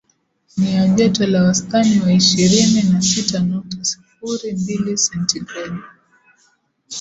ni ya joto la wastani wa ishirini na sita nukta sifuri mbili sentigredi